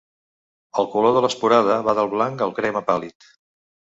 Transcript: El color de l'esporada va del blanc al crema pàl·lid.